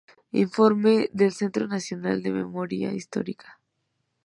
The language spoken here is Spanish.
Informe del Centro Nacional de Memoria Histórica.